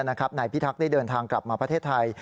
นายพิทักษ์ได้เดินทางกลับมาประเทศไทย